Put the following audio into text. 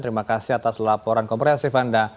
terima kasih atas laporan kompresif anda